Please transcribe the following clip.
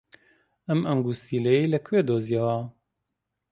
ئەم ئەنگوستیلەیەی لەکوێ دۆزییەوە؟